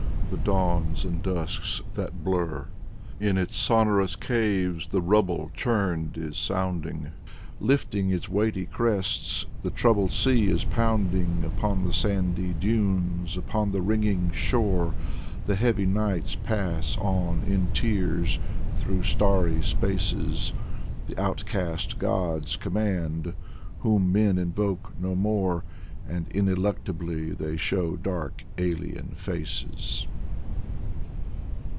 The dawns and dusks that blur? In its sonorous caves the rubble, churned, is sounding; Lifting its weighty crests, the troubled sea is pounding Upon the sandy dunes, upon the ringing shore. The heavy nights pass on in tears through starry spaces ... The outcast gods command, whom men invoke no more, And ineluctably they show dark, alien faces.